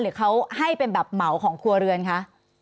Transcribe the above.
หรือเขาให้เป็นแบบเหมาของครัวเรือนคะ